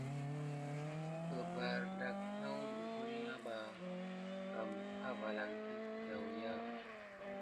Bəbara ɗaki naku neglunaba kam avalakila kidawuya.